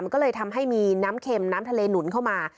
มันก็เลยทำให้มีน้ำเข็มน้ำทะเลหนุนเข้ามา